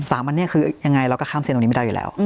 สามอันนี้คือยังไงเราก็ข้ามเส้นตรงนี้ไม่ได้อยู่แล้ว